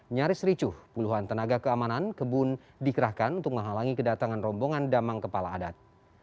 nyaris ricuh puluhan tenaga keamanan kebun dikerahkan untuk menghalangi kedatangan rombongan damang kepala adat